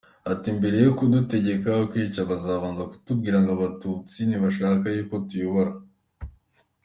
Ati: “Mbere yo kudutegeka kwica babanzaga kutubwira ngo Abatutsi ntibashaka y’uko tuyobora.